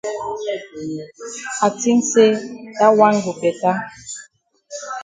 I tink say dat wan go beta.